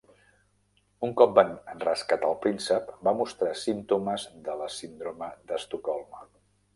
Un cop van rescatar el príncep, va mostrar símptomes de la síndrome d'Estocolm.